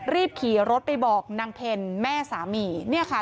รีบขี่รถไปบอกนางเพลแม่สามีเนี่ยค่ะ